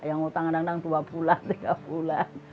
yang utang kadang kadang dua bulan tiga bulan